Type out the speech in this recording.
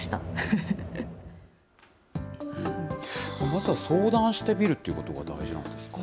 まずは相談してみるっていうことが大事なんですか。